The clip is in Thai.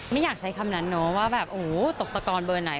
ไม่อยากใช้คำนั้นเนอะว่าแบบโอ้โหตกตะกอนเบอร์ไหน